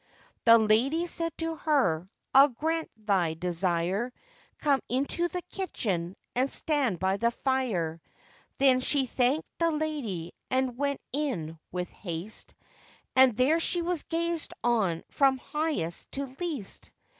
The lady said to her, 'I'll grant thy desire, Come into the kitchen, and stand by the fire.' Then she thankèd the lady, and went in with haste; And there she was gazed on from highest to least.